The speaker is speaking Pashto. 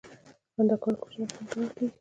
خندا کول کوچنی خنډ ګڼل کیږي.